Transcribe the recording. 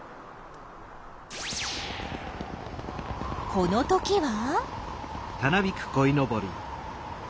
このときは？